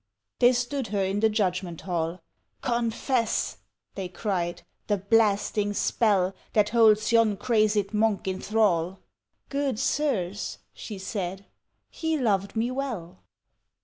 They stood her in the judgment hall. "Confess," they cried, "the blasting spell That holds yon crazed monk in thrall?" "Good sirs," she said, "he loved me well."